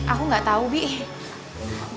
aku gatau bik